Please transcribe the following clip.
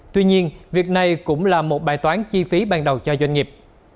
tuy nhiên việc này cũng là một bài toán chi phí ban đầu cho doanh nghiệp